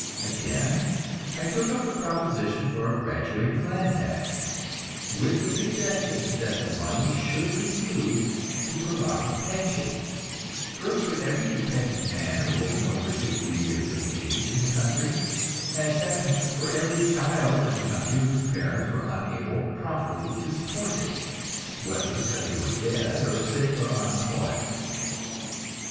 Again I took up the proposition for a graduated land tax, with the suggestion that the money should be used to provide a pension, first for every dependent man or woman over sixty years of age in the country, and second for every child in the country whose parents were unable properly to support it, whether because they were dead or sick or unemployed.